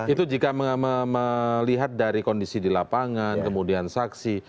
itu jika melihat dari kondisi di lapangan kemudian saksi